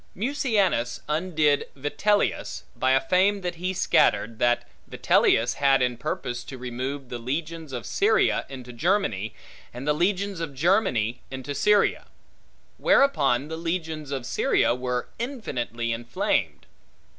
Mucianus undid Vitellius, by a fame that he scattered, that Vitellius had in purpose to remove the legions of Syria into Germany, and the legions of Germany into Syria; whereupon the legions of Syria were infinitely inflamed.